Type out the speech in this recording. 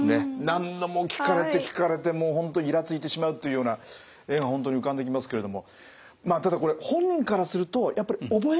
何度も聞かれて聞かれてもう本当イラついてしまうっていうような絵が本当に浮かんできますけれどもまあただこれ本人からするとやっぱり覚えなきゃっていうね。